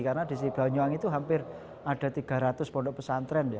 karena di banyuwangi itu hampir ada tiga ratus pondok pesantren